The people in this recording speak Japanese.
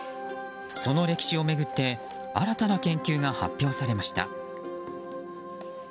その歴史を巡って新たな研究が発表されました。